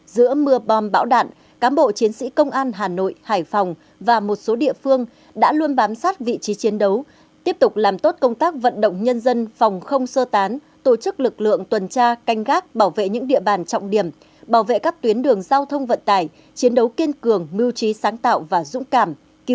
giữa mưa bom bão đạn cám bộ chiến sĩ công an hà nội hải phòng và một số địa phương đã luôn bám sát vị trí chiến đấu tiếp tục làm tốt công tác vận động nhân dân phòng không sơ tán tổ chức lực lượng tuần tra canh gác bảo vệ những địa bàn trọng điểm bảo vệ các tuyến đường giao thông vận tải chiến đấu kiên cường mưu trí sáng tạo và dũng cảm